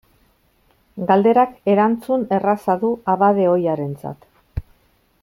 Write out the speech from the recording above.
Galderak erantzun erraza du abade ohiarentzat.